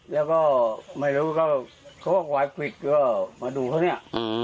แล้วก็ไม่รู้ก็เขาก็ควายควิดก็มาดูเขาเนี่ย